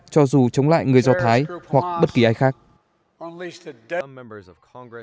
cho dù chống lại người do thái hoặc bất kỳ ai khác